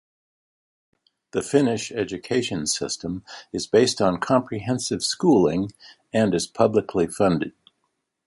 The Finnish education system is based on comprehensive schooling and is publicly funded.